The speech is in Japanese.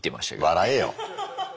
笑えよ。